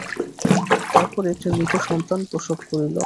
তার পরে একটি মৃত সন্তান প্রসব করিল।